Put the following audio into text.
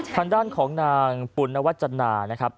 ทางด้านของนางปุณนวัจจนานะครับ